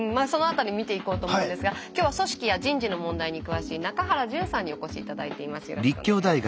その辺り見ていこうと思うんですが今日は組織や人事の問題に詳しい中原淳さんにお越し頂いています。